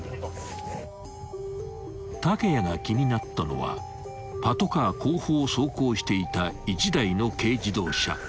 ［竹谷が気になったのはパトカー後方を走行していた一台の軽自動車］